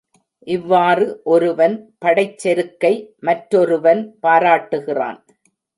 இவ்வாறு ஒருவன் படைச் செருக்கை மற்றொருவன் பாராட்டுகிறான்.